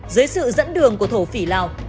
dưới sự dẫn đường của thổ phỉ lào